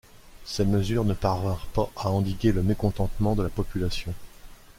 Ces mesures ne parvinrent pas à endiguer le mécontentement de la population.